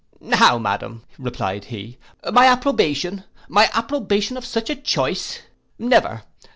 '—'How, madam,' replied he, 'my approbation! My approbation of such a choice! Never.